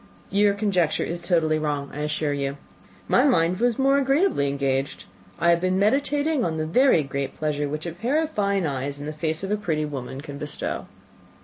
"Your conjecture is totally wrong, I assure you. My mind was more agreeably engaged. I have been meditating on the very great pleasure which a pair of fine eyes in the face of a pretty woman can bestow."